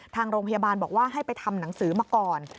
ทางโรงพยาบาลบอกว่าให้ไปทำหนังสือมาก่อน